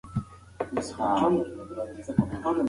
که نجونې عفت ولري نو نوم به یې بد نه وي.